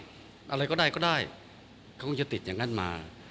อะไรก็ได้ก็ได้เขาคงจะติดอย่างนั้นมา